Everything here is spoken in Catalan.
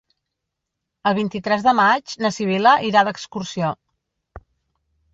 El vint-i-tres de maig na Sibil·la irà d'excursió.